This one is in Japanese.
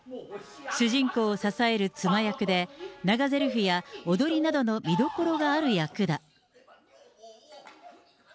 主人公を支える妻役で、長ぜりふや踊りなどの見所がある役だ。